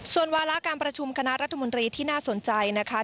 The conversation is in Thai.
ส่วนวาระการประชุมคณะรัฐมนตรีที่น่าสนใจนะคะ